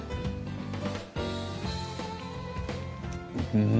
うん！